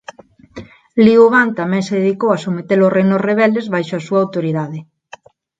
Liu Bang tamén se dedicou a someter os reinos rebeldes baixo a súa autoridade.